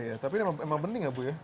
iya tapi memang bening ya bu ya